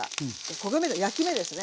焦げ目焼き目ですね。